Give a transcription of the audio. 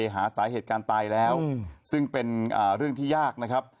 หาสาเหตุการณ์ตายแล้วซึ่งเป็นเรื่องที่ยากนะครับ